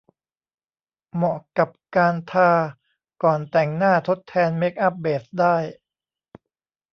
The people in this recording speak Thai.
เหมาะกับการทาก่อนแต่งหน้าทดแทนเมคอัพเบสได้